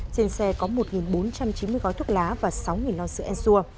trên xe có một bốn trăm chín mươi gói thuốc lá và sáu non sữa en xua